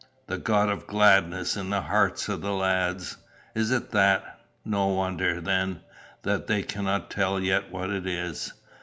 The God of gladness in the hearts of the lads? Is it that? No wonder, then, that they cannot tell yet what it is!"